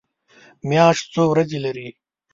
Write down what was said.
میاشت څو ورځې لري؟